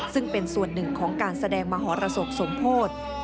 ซึ่งเป็นส่วนหนึ่งของการแสดงมหรสบสมโพธิ